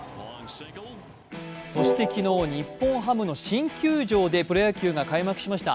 そして昨日、日本ハムの新球場でプロ野球が開幕しました。